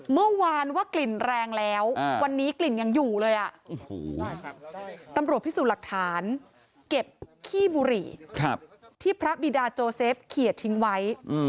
เมื่อวานว่ากลิ่นแรงแล้ววันนี้กลิ่นยังอยู่เลยตำรวจพิสูจน์หลักฐานเก็บขี้บุหรี่ที่พระบิดาโจเซฟเขียนทิ้งไว้